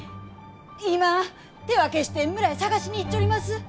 今手分けして村へ捜しに行っちょります！